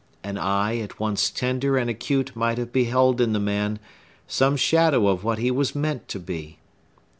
An eye at once tender and acute might have beheld in the man some shadow of what he was meant to be.